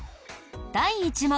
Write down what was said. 第１問。